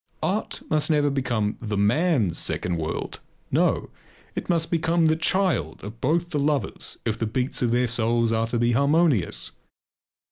Art must never become the man's second world. No! It must become the child of both the lovers if the beats of their souls are to be harmonious.